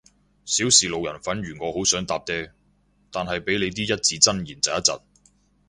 少時路人粉如我好想搭嗲，但係被你啲一字真言疾一疾